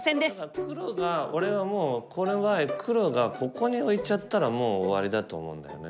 黒が俺はもうこれは黒がここに置いちゃったらもう終わりだと思うんだよね